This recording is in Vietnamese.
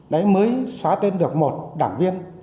đấy mới xóa tên được một đảng viên